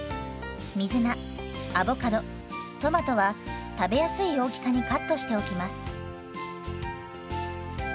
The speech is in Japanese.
水菜アボカドトマトは食べやすい大きさにカットしておきます。